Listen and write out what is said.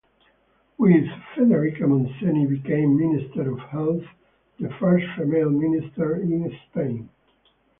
With Federica Montseny became Minister of Health, the first female minister in Spain.